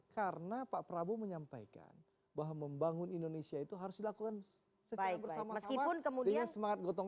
karena pak prabowo menyampaikan bahwa membangun indonesia itu harus dilakukan secara bersama sama dengan semangat gotong royong